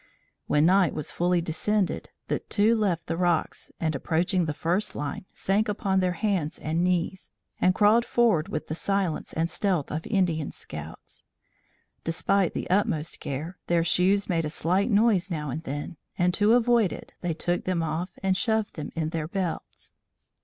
When night was fully descended, the two left the rocks and approaching the first line, sank upon their hands and knees, and crawled forward with the silence and stealth of Indian scouts. Despite the utmost care, their shoes made a slight noise now and then, and to avoid it, they took them off and shoved them in their belts.